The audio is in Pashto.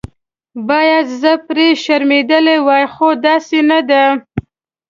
باید زه پرې شرمېدلې وای خو داسې نه ده.